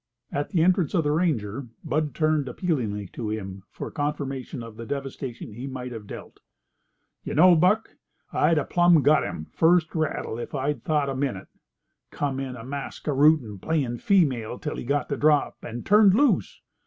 At the entrance of the ranger Bud turned appealingly to him for confirmation of the devastation he might have dealt. "You know, Buck, I'd 'a' plum got him, first rattle, if I'd thought a minute. Come in a masque rootin', playin' female till he got the drop, and turned loose.